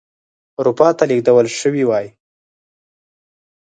اروپا ته لېږدول شوي وای.